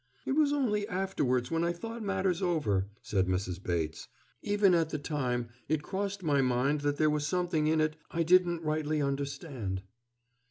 "It was only afterwards when I thought matters over," said Mrs. Bates. "Even at the time it crossed my mind that there was something in it I didn't rightly understand."